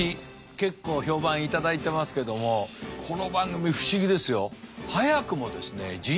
結構評判頂いてますけどもこの番組不思議ですよ。